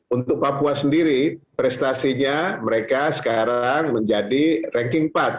untuk papua sendiri prestasinya mereka sekarang menjadi ranking empat